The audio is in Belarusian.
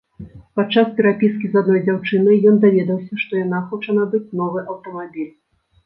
Падчас перапіскі з адной дзяўчынай ён даведаўся, што яна хоча набыць новы аўтамабіль.